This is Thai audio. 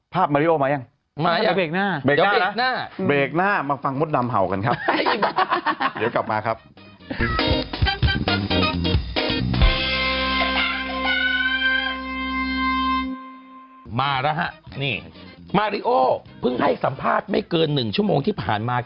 มาริโอเพิ่งให้สัมภาษณ์ไม่เกิน๑ชั่วโมงที่ผ่านมา